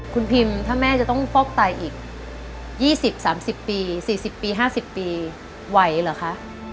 คุณพิมถ้าแม่จะต้องฟอกไตอีก๒๐๓๐ปี๔๐ปี๕๐ปีไหวเหรอคะ